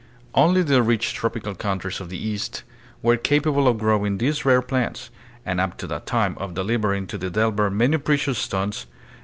Only the rich tropical countries of the East were capable of growing these rare plants, and up to that tune of delivering to the delver many precious stones.